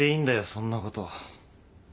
そんなこと。